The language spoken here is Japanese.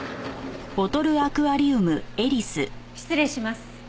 失礼します。